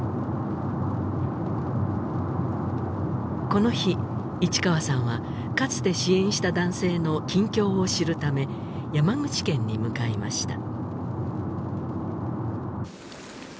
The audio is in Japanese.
この日市川さんはかつて支援した男性の近況を知るため山口県に向かいました